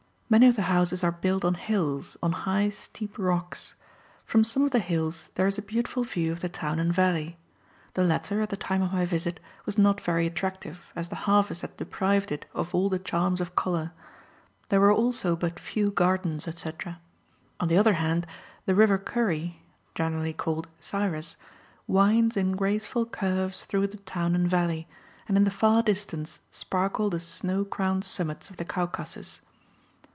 Many of the houses are built on hills, on high steep rocks. From some of the hills there is a beautiful view of the town and valley. The latter, at the time of my visit, was not very attractive, as the harvest had deprived it of all the charms of colour; there were also but few gardens, etc. On the other hand, the river Kurry (generally called Cyrus) winds in graceful curves through the town and valley, and in the far distance sparkle the snow crowned summits of the Caucasus.